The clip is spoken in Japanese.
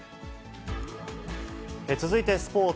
続いてスポーツ。